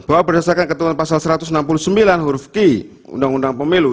bahwa berdasarkan ketentuan pasal satu ratus enam puluh sembilan huruf q undang undang pemilu